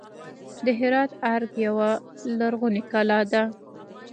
د هرات ارګ یوه لرغونې کلا ده